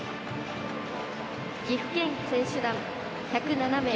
岐阜県選手団、１０７名。